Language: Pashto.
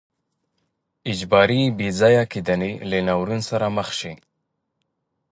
اجباري بې ځای کېدنې له ناورین سره به مخ شي.